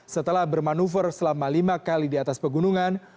setelah bermanuver selama lima kali di atas pegunungan